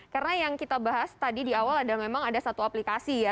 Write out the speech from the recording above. karena yang kita bahas tadi di awal ada memang ada satu aplikasi ya